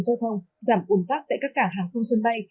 giao thông giảm ủn tắc tại các cảng hàng không sân bay